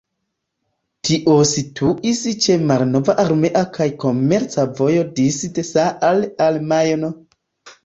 Tio situis ĉe malnova armea kaj komerca vojo disde Saale al Majno.